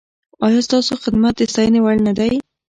ایا ستاسو خدمت د ستاینې وړ نه دی؟